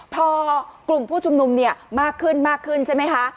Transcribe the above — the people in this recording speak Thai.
พอกลุ่มผู้จุ่มนุมมากขึ้นใช่ไหมคะ